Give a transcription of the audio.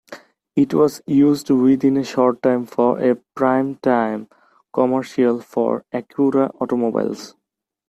It was used within a short time for a prime-time commercial for Acura automobiles.